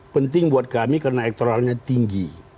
penting buat kami karena elektoralnya tinggi